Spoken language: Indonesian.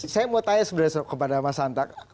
saya mau tanya sebenarnya kepada mas santa